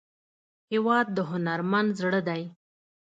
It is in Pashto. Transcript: هېواد د هنرمند زړه دی.